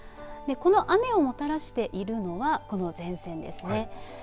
この雨をもたらしているのがこの前線ですね。